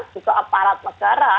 juga aparat negara